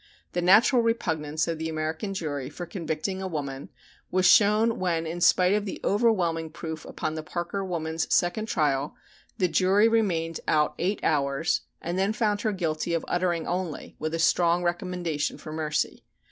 The natural repugnance of the American jury for convicting a woman was shown when in spite of the overwhelming proof upon the Parker woman's second trial the jury remained out eight hours and then found her guilty of "uttering only," with a strong recommendation for mercy.